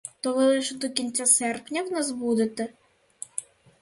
То ви лише до кінця серпня в нас будете?